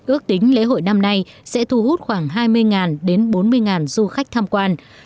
ước tính lễ hội năm nay sẽ thu hút khoảng hai mươi đến bốn mươi du khách tham quan